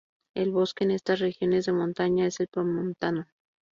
El bosque en estas regiones de montaña es el premontano.